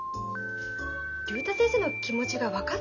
竜太先生の気持ちが分かったのよ。